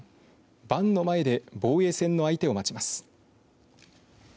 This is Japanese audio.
盤の前で防衛戦の相手を待ちます。